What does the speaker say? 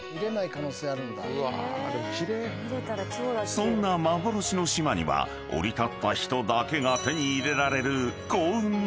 ［そんな幻の島には降り立った人だけが手に入れられる］